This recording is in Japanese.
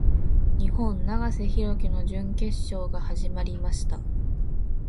日本・永瀬貴規の準決勝が始まりました。